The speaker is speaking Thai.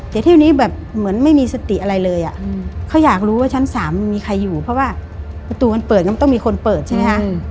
แต่เที่ยวนี้แบบเหมือนไม่มีสติอะไรเลยเขาอยากรู้ว่าชั้น๓มันมีใครอยู่เพราะว่าประตูมันเปิดก็ต้องมีคนเปิดใช่ไหมคะ